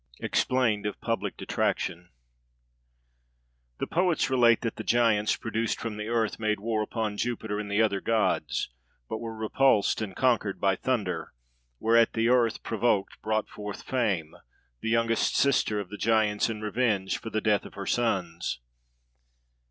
EXPLAINED OF PUBLIC DETRACTION. The poets relate, that the giants, produced from the earth, made war upon Jupiter, and the other gods, but were repulsed and conquered by thunder; whereat the earth, provoked, brought forth Fame, the youngest sister of the giants, in revenge for the death of her sons.